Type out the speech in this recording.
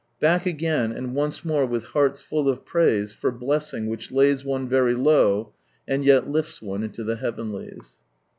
— Back again, and once more with hearts full of praise for blessing which lays one very low, and yet lifts one into the heavenlies.